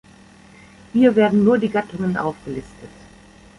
Hier werden nur die Gattungen aufgelistet.